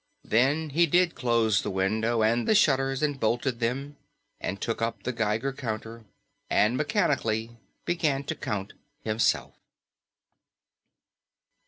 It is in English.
Then he did close the window, and the shutters, and bolted them, and took up the Geiger counter, and mechanically began to count himself.